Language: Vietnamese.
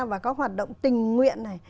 và các hoạt động tình nguyện này